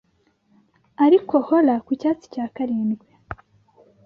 ariko holler 'ku cyatsi cya karindwi